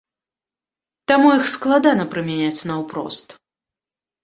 Таму іх складана прымяняць наўпрост.